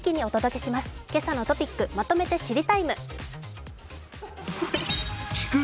「けさのトピックまとめて知りＴＩＭＥ，」。